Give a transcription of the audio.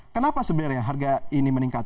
kenapa sebenarnya harga ini meningkat